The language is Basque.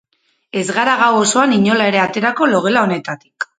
Ez gara gau osoan inola ere aterako logela honetatik.